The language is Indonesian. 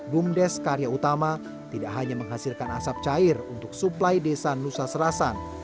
bumdes karya utama tidak hanya menghasilkan asap cair untuk suplai desa nusa serasan